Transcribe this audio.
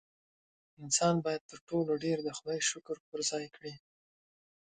انسان باید تر ټولو ډېر د خدای شکر په ځای کړي.